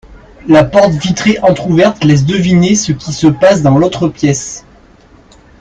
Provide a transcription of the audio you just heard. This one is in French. La porte vitrée entrouverte laisse deviner ce qui se passe dans l'autre pièce